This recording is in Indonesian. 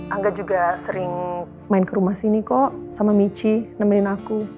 angga juga sering main ke rumah sini kok sama michi nemenin aku